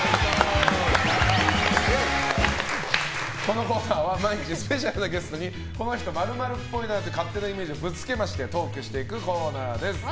このコーナーは、毎日スペシャルなゲストにこの人○○っぽいという勝手なイメージをぶつけましてトークしていくコーナーです。